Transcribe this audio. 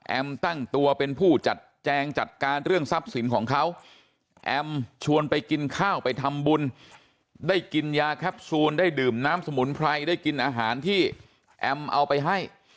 ตั้งตัวเป็นผู้จัดแจงจัดการเรื่องทรัพย์สินของเขาแอมชวนไปกินข้าวไปทำบุญได้กินยาแคปซูลได้ดื่มน้ำสมุนไพรได้กินอาหารที่แอมเอาไปให้